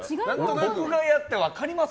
僕がやって分かります？